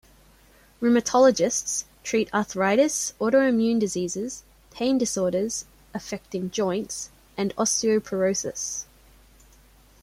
Rheumatologists treat arthritis, autoimmune diseases, pain disorders affecting joints, and osteoporosis.